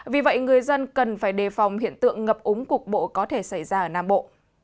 vì vậy người dân cần phải đề phòng hiện tượng ngập úng cục bộ có thể xảy ra ở nam bộ